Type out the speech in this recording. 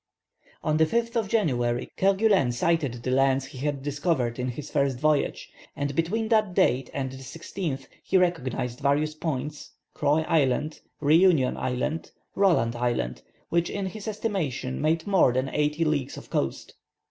On the 5th of January, Kerguelen sighted the lands he had discovered in his first voyage, and between that date and the 16th he recognized various points, Croy Island, Re union Island, Roland Island, which in his estimation made more than eighty leagues of coast.